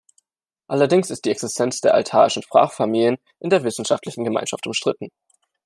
Allerdings ist die Existenz der altaischen Sprachfamilien in der wissenschaftlichen Gemeinschaft umstritten.